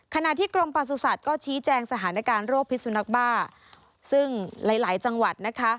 ขณะที่กรมประสุทธิ์ก็ชี้แจงสถานการณ์โรคพิสุนักบ้าซึ่งหลายหลายจังหวัดนะคะ